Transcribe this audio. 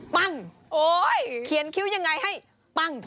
ปังเขียนคิ้วยังไงให้ปัง